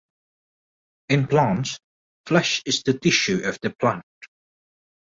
In plants, "flesh" is the tissue of the plant.